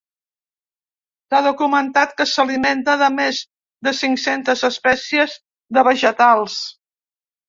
S'ha documentat que s'alimenta de més de cinc-centes espècies de vegetals.